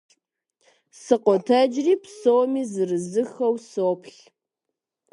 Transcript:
Сыкъотэджри, псоми зырызыххэу соплъ.